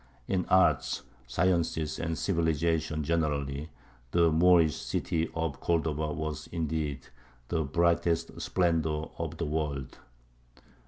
In arts, sciences, and civilization generally, the Moorish city of Cordova was indeed "the brightest splendour of the world."